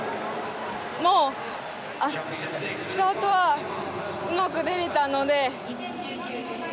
スタートはうまくできたので。